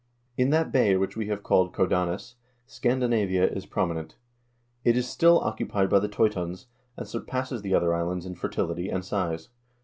" In that bay which we have called Codanus, Scandinavia is prominent. It is still occupied by the Teutons, and surpasses the other islands in fertility and size."